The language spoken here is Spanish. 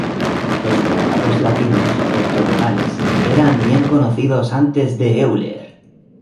Los cuadrados latinos ortogonales eran bien conocidos antes de Euler.